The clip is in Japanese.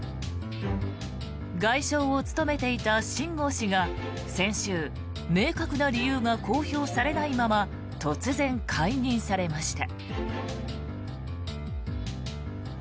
外相を務めていた秦剛氏が先週明確な理由が公表されないまま突然解任されました。